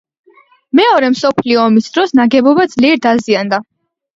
მეორე მსოფლიო ომის დროს ნაგებობა ძლიერ დაზიანდა.